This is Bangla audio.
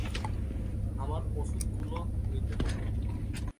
আমার ওষুধ গুলো নিতে হবে।